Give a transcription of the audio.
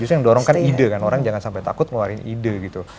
justru yang dorongkan ide kan orang jangan sampai takut ngeluarin ide gitu